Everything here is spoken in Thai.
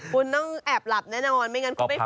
คุณต้องแอบหลับแน่นอนไม่งั้นคุณไปหา